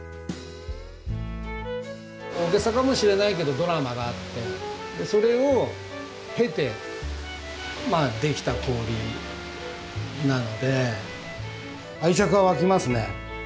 大げさかもしれないけどドラマがあってそれを経てできた氷なので愛着は湧きますね。